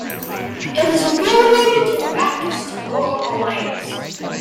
It is affiliated to the Baptist World Alliance.